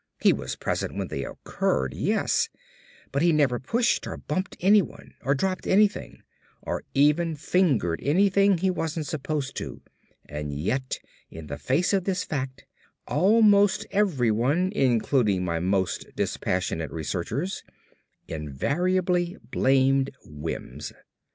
He was present when they occurred, yes, but he never pushed or bumped anyone or dropped anything or even fingered anything he wasn't supposed to and yet in the face of this fact, almost everyone, including my most dispassionate researchers, invariably blamed Wims.